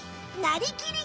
「なりきり！